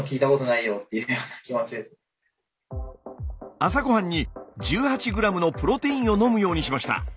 朝ごはんに１８ｇのプロテインを飲むようにしました。